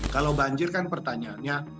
kalau banjir kan pertanyaannya